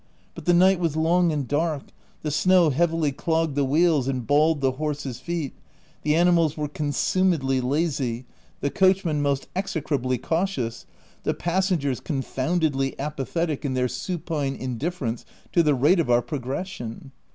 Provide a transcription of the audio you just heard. But the night was long and dark ; the snow heavily clogged the wheels and balled the horses' feet ; the animals were consumedly lazy, the coach men most execrably cautious, the passengers confoundedly apathetic in their supine indiffe rence to the rate of our progression.